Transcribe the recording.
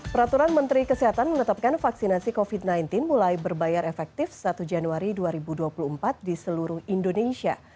peraturan menteri kesehatan menetapkan vaksinasi covid sembilan belas mulai berbayar efektif satu januari dua ribu dua puluh empat di seluruh indonesia